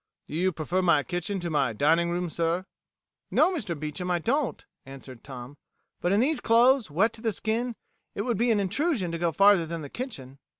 "Do you prefer my kitchen to my dining room, sir?" "No, Mr. Beecham, I don't," answered Tom. "But in these clothes, wet to the skin, it would be an intrusion to go farther than the kitchen."